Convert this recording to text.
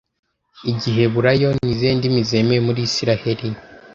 Igiheburayo nizihe ndimi zemewe muri Isiraheli